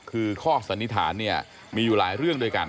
คือข้อสันนิษฐานเนี่ยมีอยู่หลายเรื่องด้วยกัน